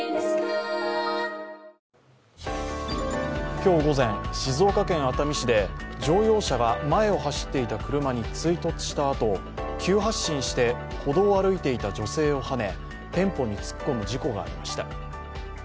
今日午前、静岡県熱海市で乗用車が前を走っていた車に追突したあと、急発進して歩道を歩いていた女性をはね店舗に突っ込む事故がありました。